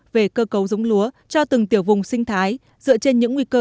về cơ cấu giống lúa cho từng tiểu vùng sinh thái dựa trên những nguy cơ